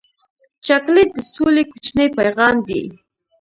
چاکلېټ د سولې کوچنی پیغام دی.